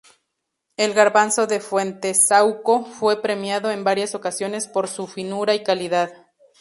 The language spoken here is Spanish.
El garbanzo de Fuentesaúco fue premiado en varias ocasiones por su finura y calidad.